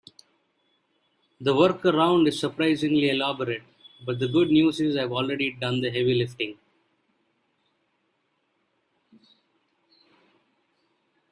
The workaround is surprisingly elaborate, but the good news is I've already done the heavy lifting.